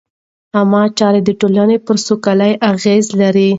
عامه چارې د ټولنې پر سوکالۍ اغېز لري.